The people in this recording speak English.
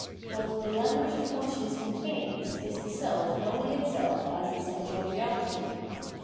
What the language of conscience contains is the self knowing itself as essential reality.